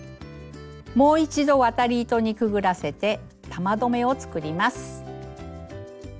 もう一度渡り糸にくぐらせて玉留めを作ります。